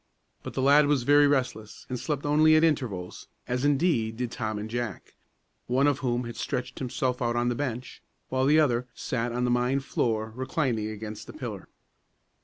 But the lad was very restless, and slept only at intervals, as, indeed, did Tom and Jack, one of whom had stretched himself out on the bench, while the other sat on the mine floor, reclining against a pillar.